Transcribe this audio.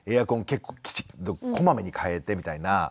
結構きちっとこまめに変えてみたいな。